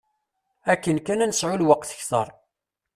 Akken kan ad nesɛu lweqt kter.